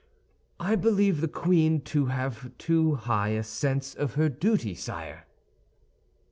"I believe the queen to have too high a sense of her duty, sire."